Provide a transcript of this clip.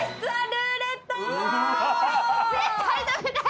絶対食べたい！